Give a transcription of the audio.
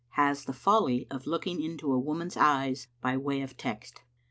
HAS THE FOLLY OF LOOKING INTO A WOMAN»S EYES BY WAY OF TEXT.